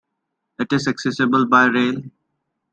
It is accessible by rail.